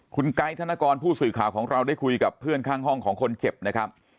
คุณไกด์ธนกรผู้สื่อข่าวของเราได้คุยกับเพื่อนข้างห้องของคนเจ็บนะครับ